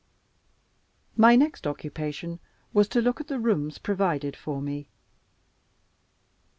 My next occupation was to look at the rooms provided for me.